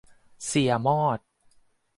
เสี่ยมอด